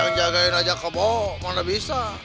hah yang jagain saja kamu mana bisa